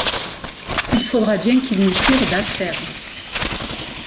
Il faudra bien qu’ils nous tirent d’affaire.